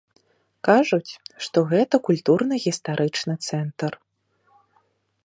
Кажуць, што гэта культурна-гістарычны цэнтр.